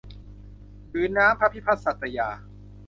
ถือน้ำพระพิพัฒน์สัตยา